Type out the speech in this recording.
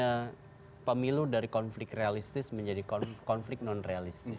karena pemilu dari konflik realistis menjadi konflik non realistis